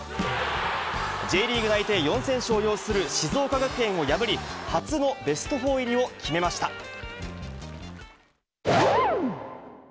Ｊリーグ内定４選手を擁する静岡学園を破り、初のベスト４入りを決めました。